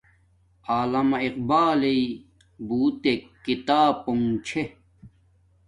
علامہ اقبالݵ بوتک کھتاپونک چھے